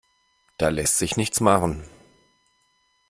Da lässt sich nichts machen.